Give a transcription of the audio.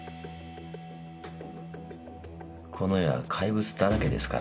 この世は怪物だらけですから。